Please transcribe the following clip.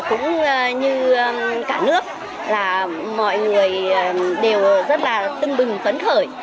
cũng như cả nước là mọi người đều rất là tưng bừng phấn khởi